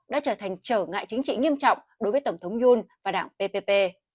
đã trở thành trở ngại chính trị nghiêm trọng đối với tổng thống yon và đảng ppp